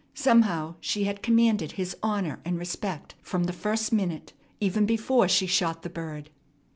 Somehow she had commanded his honor and respect from the first minute, even before she shot the bird.